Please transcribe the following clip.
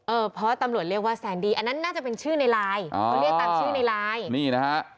เออเพราะตำรวจเรียกว่าแซนดี้อันนั้นน่าจะเป็นชื่อในไลน์